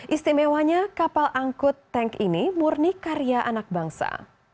istimewanya kapal angkut tank ini murni karya anak bangsa